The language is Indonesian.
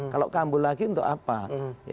kalau kambuh lagi untuk apa